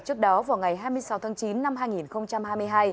trước đó vào ngày hai mươi sáu tháng chín năm hai nghìn hai mươi hai